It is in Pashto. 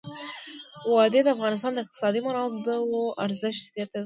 وادي د افغانستان د اقتصادي منابعو ارزښت زیاتوي.